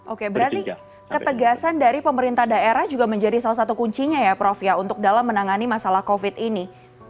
oke berarti ketegasan dari pemerintah daerah juga menjadi salah satu kuncinya ya prof ya untuk dalam menangani masalah covid ini